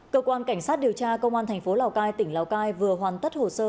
cơ quan cảnh sát điều tra công an tp lào cai tỉnh lào cai vừa hoàn tất hồ sơ